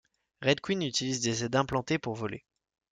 Red Queen utilise des ailes implantées pour voler.